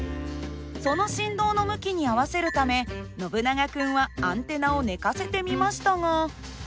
その振動の向きに合わせるためノブナガ君はアンテナを寝かせてみましたが。